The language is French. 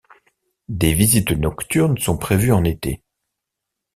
Des visites nocturnes sont prévues en été.